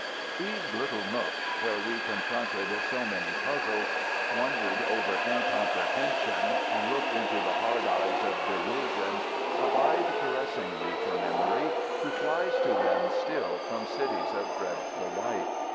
These little nooks where we confronted so many puzzles, wondered over incomprehension, and looked into the hard eyes of derision, abide caressingly for memory, who flies to them still from cities of dreadful light.